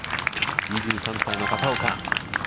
２３歳の片岡。